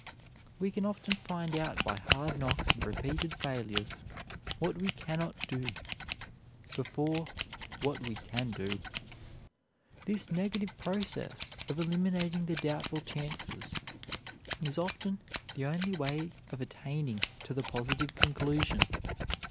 We can often find out by hard knocks and repeated failures what we can not do before what we can do. This negative process of eliminating the doubtful chances is often the only way of attaining to the positive conclusion.